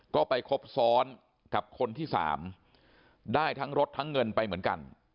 ก็ไปคบซ้อนกับคนที่สามได้ทั้งรถทั้งเงินไปเหมือนกัน